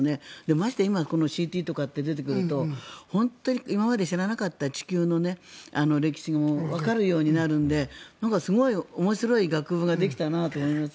ましてや今ＣＴとかって出てくると本当に今まで知らなかった地球の歴史もわかるようになるのですごい面白い学部ができたなと思いますよ。